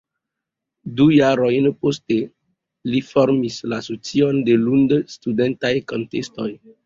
Du jarojn poste li formis la Asocion de Lund-Studentaj Kantistoj.